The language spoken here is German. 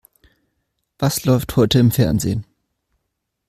Was läuft heute im Fernsehen?